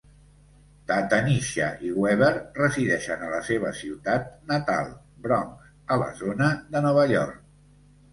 Ta-Tanisha i Weaver resideixen a la seva ciutat natal, Bronx, a la zona de Nova York.